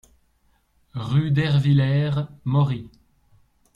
Rue d'Ervillers, Mory